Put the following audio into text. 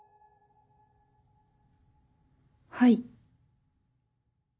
はい。